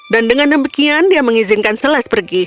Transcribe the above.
dan dengan demikian dia mengizinkan seles pergi